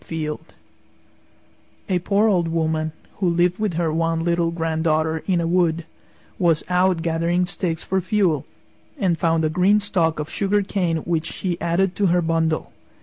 Fielde A poor Old Woman, who lived with her one little granddaughter in a wood, was out gathering sticks for fuel and found a green stalk of sugar cane which she added to her bundle.